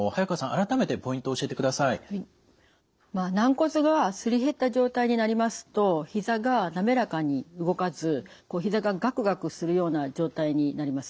軟骨がすり減った状態になりますとひざが滑らかに動かずひざがガクガクするような状態になります。